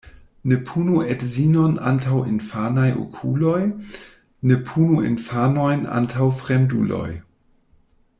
Ne punu edzinon antaŭ infanaj okuloj, ne punu infanojn antaŭ fremduloj.